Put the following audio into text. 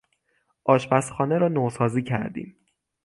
آشپزخانه را نوسازی کردیم.